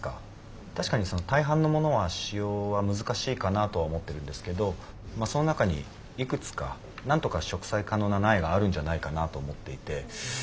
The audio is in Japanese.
確かに大半のものは使用は難しいかなとは思ってるんですけどその中にいくつかなんとか植栽可能な苗があるんじゃないかなと思っていて。